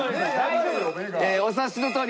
お察しのとおり。